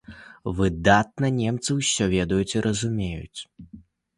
Выдатна немцы ўсё ведаюць і разумеюць.